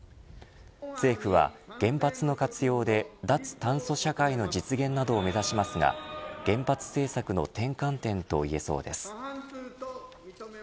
政府は原発の活用で脱炭素社会の実現などを目指しますが原発政策の転換点といえそうです。